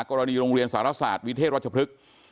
กรณีโรงเรียนสรณสารวิเทศรวจพฤษ